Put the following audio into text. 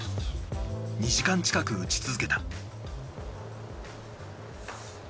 ２時間近く打ち続けた。